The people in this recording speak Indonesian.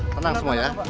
tenang semua ya